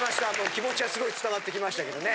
気持ちはすごい伝わってきましたけどね。